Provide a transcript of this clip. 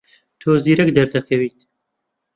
تۆ زیرەک دەردەکەویت.